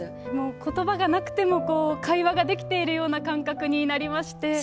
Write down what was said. ことばがなくても会話ができているような感覚になりまして。